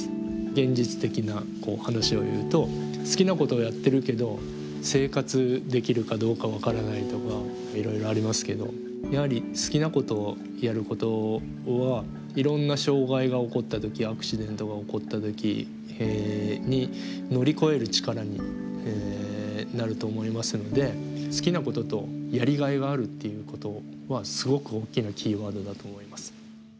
現実的な話を言うと好きなことをやってるけど生活できるかどうか分からないとかいろいろありますけどやはり好きなことをやることはいろんな障害が起こった時やアクシデントが起こった時に乗り越える力になると思いますので好きなこととやりがいがあるっていうことはすごく大きなキーワードだと思います。